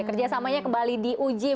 kerjasamanya kembali diuji